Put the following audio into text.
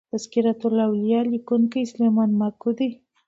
" تذکرة الاولیا" لیکونکی سلیمان ماکو دﺉ.